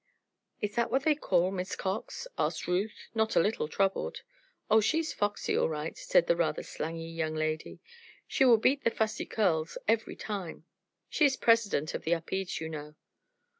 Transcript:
"Is that what they call Miss Cox?" asked Ruth, not a little troubled. "Oh, she's foxy, all right," said this rather slangy young lady. "She will beat the Fussy Curls every time. She's President of the Upedes, you know."